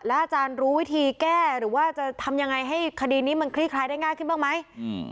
อาจารย์รู้วิธีแก้หรือว่าจะทำยังไงให้คดีนี้มันคลี่คลายได้ง่ายขึ้นบ้างไหม